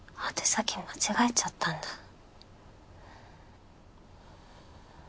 宛先間違えちゃったんだ。